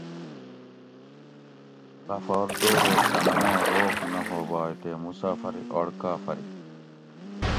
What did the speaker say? غفار دور او صنم آں روغ نہ ھوبائ تےمسافری اڑ کافری